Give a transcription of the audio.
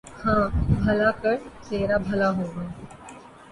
ہاں بھلا کر ترا بھلا ہوگا